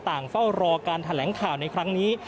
เฝ้ารอการแถลงข่าวในครั้งนี้